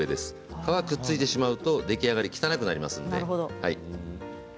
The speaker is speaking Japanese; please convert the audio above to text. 皮がくっついてしまうと出来上がりが汚くなりますので。